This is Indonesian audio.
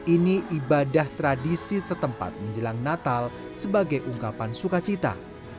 ini ibadah tradisi setempat menjelang natal sebagai ungkapan sukacita